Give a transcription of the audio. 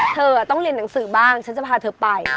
เธอต้องเรียนหนังสือบ้างฉันจะพาเธอไป